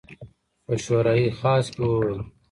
په شورای خاص کې وویل.